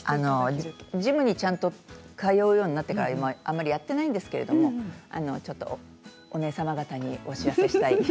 ジムに通うようになってからあまりやっていないんですけどちょっとお姉様方にお知らせしたい。